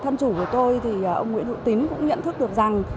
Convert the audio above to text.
thân chủ của tôi thì ông nguyễn hữu tín cũng nhận thức được rằng